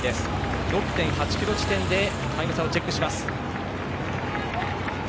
６．８ｋｍ地点でタイム差をチェックします。